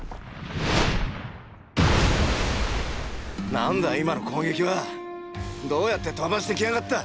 何だ今の攻撃は⁉どうやって飛ばしてきやがった⁉